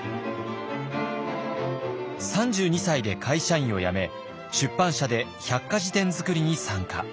３２歳で会社員を辞め出版社で百科事典づくりに参加。